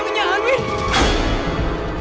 itu dia nek